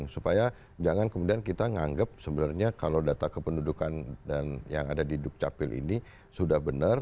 supaya jangan kemudian kita menganggap sebenarnya kalau data kependudukan dan yang ada di dukcapil ini sudah benar